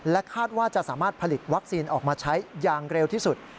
คาดว่าจะสามารถผลิตวัคซีนออกมาใช้อย่างเร็วที่สุด